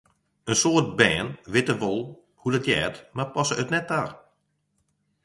In soad bern witte wol hoe't it heart, mar passe it net ta.